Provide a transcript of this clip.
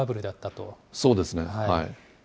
そうですね。